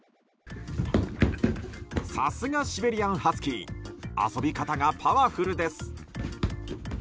さすがシベリアンハスキー遊び方がパワフルです。